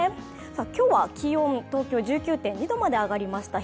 今日は気温、東京１９．２度まで上がりました。